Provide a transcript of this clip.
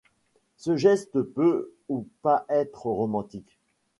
Ce geste peut ou pas être romantique.